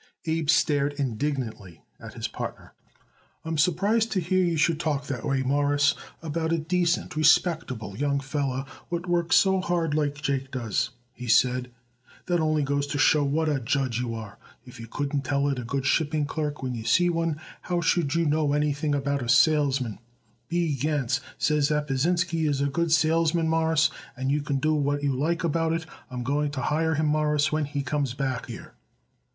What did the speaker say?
Abe stared indignantly at his partner. "I'm surprised to hear you you should talk that way, Mawruss, about a decent, respectable young feller what works so hard like Jake does," he said. "That only goes to show what a judge you are. If you couldn't tell it a good shipping clerk when you see one, how should you know anything about salesmen? B. Gans says that Pasinsky is a good salesman, Mawruss, and you can do what you like about it; I'm going to hire him, Mawruss, when he comes back here."